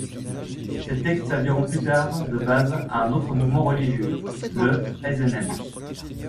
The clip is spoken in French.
Ces textes serviront plus tard de base à un autre mouvement religieux, le Aizen-en.